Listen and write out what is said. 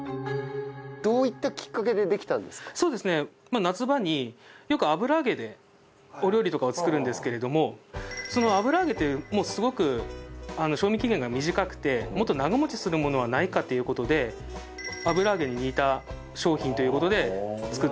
夏場によく油揚げでお料理とかを作るんですけれどもその油揚げってすごく賞味期限が短くてもっと長持ちするものはないかという事で油揚げに似た商品という事で作ったのが始まりですね。